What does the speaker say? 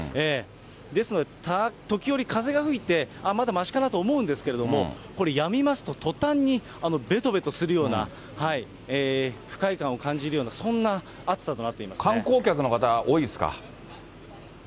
ですので、時折、風が吹いてまだましかなと思うんですけれども、これ、やみますととたんにべとべとするような不快感を感じるよう観光客の方、多いですか。